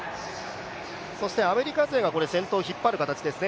アメリカ勢が先頭を引っ張る形ですね。